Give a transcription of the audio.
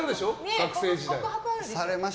学生時代。